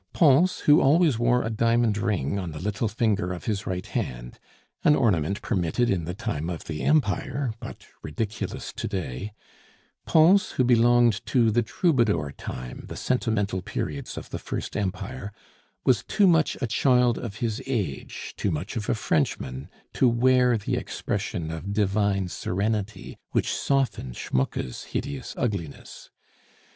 Pons, who always wore a diamond ring on the little finger of his right hand, an ornament permitted in the time of the Empire, but ridiculous to day Pons, who belonged to the "troubadour time," the sentimental periods of the first Empire, was too much a child of his age, too much of a Frenchman to wear the expression of divine serenity which softened Schmucke's hideous ugliness.